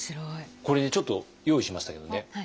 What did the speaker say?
これにちょっと用意しましたけれどね。